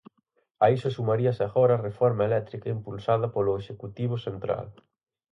A iso sumaríase agora "a reforma eléctrica impulsada polo Executivo central".